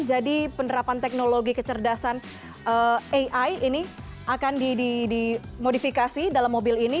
jadi penerapan teknologi kecerdasan ai ini akan dimodifikasi dalam mobil ini